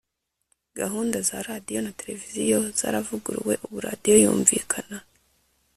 Gahunda za radio na televiziyo zaravuguruwe ubu radio yumvikana